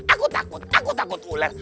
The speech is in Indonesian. aku takut aku takut ular